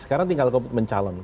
sekarang tinggal mencalon